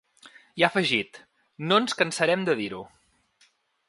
I ha afegit: ‘No ens cansarem de dir-ho’.